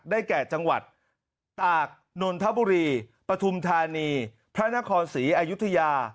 แก่จังหวัดตากนนทบุรีปฐุมธานีพระนครศรีอยุธยา